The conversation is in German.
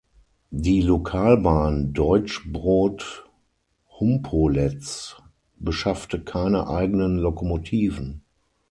Die "Lokalbahn Deutschbrod–Humpoletz" beschaffte keine eigenen Lokomotiven.